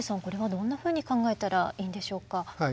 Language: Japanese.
これはどんなふうに考えたらいいんでしょうか。